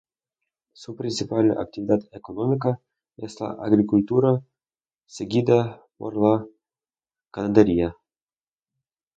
Su principal actividad económica es la agricultura seguida por la ganadería.